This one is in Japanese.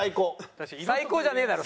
最高じゃねえだろ。